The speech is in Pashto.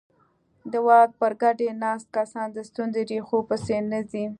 د واک پر ګدۍ ناست کسان د ستونزې ریښو پسې نه ځي.